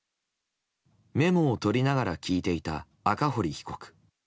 メモを取りながら聞いていた赤堀被告。